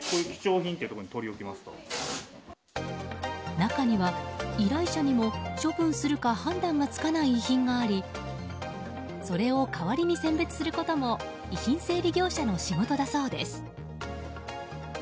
中には、依頼者にも処分するか判断がつかない遺品がありそれを代わりに選別することも遺品整理業者の仕事だそうです。